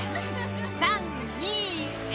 ３、２、１。